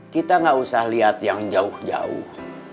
kita gak usah lihat yang jauh jauh